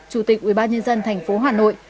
chủ tịch ubnd tp hà nội